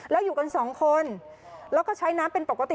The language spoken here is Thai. แล้วอยู่กันสองคนแล้วก็ใช้น้ำเป็นปกติ